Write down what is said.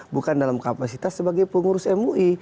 bukan dalam kapasitas sebagai pengurus mui